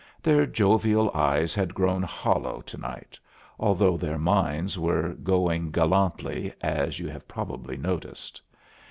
Their jovial eyes had grown hollow to night, although their minds were going gallantly, as you have probably noticed.